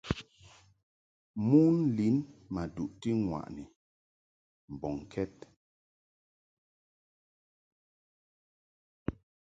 Mon lin ma duʼti ŋwaʼni mbɔŋkɛd.